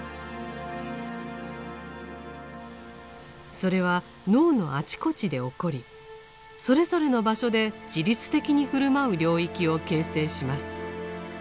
それは脳のあちこちで起こりそれぞれの場所で自律的に振る舞う領域を形成します。